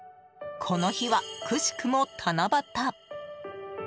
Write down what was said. この日は、くしくも七夕。